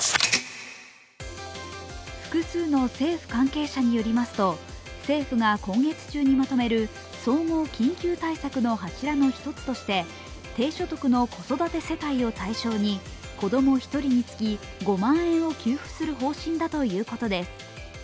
複数の政府関係者によりますと政府が今月中にまとめる総合緊急対策の柱の１つとして低所得の子育て世帯を対象に子供１人につき５万円を給付する方針だということです。